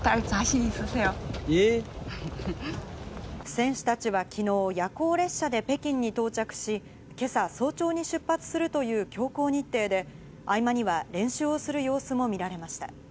選手たちはきのう、夜行列車で北京に到着し、今朝、早朝に出発するという強行日程で、合間には練習をする様子も見られました。